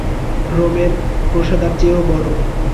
রোমের প্রাসাদের চেয়েও বড়।